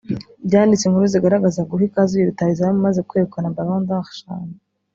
byanditse inkuru zigaragaza guha ikaze uyu rutahizamu umaze kwegukana ballon d’or eshanu